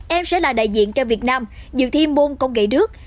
em sẽ là đại diện cho việt nam dự thi môn công nghệ nước